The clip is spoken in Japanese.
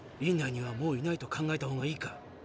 院内にはもういないと考えたほうがいいか。